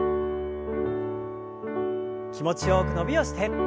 気持ちよく伸びをして。